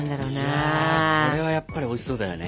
いやこれはやっぱりおいしそうだよね。